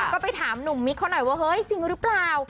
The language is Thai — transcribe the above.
ก็ไปถามหนุ่มมิกเขาหน่อยว่าเฮ้ยจริงหรือเปล่า